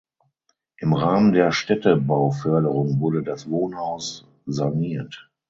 Im Rahmen der Städtebauförderung wurde das Wohnhaus saniert.